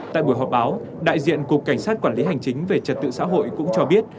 tại buổi họp báo đại diện cục cảnh sát quản lý hành chính về trật tự xã hội cũng cho biết